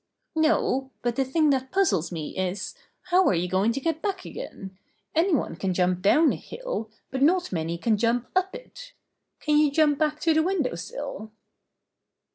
''No, but the thing that puzzles me is, how are you going to get back again? Anybody can jump down a hill, but not many can jump up it Can you jump back to the window sill?"